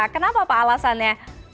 kenapa pak alasannya